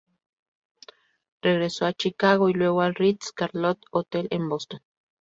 Regresó a Chicago y luego al "Ritz Carlton Hotel" en Boston.